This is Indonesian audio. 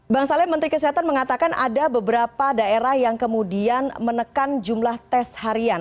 bang saleh menteri kesehatan mengatakan ada beberapa daerah yang kemudian menekan jumlah tes harian